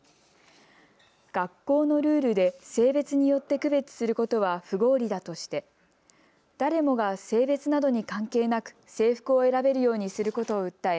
学校のルールで性別によって区別することは不合理だとして誰もが性別などに関係なく制服を選べるようにすることを訴え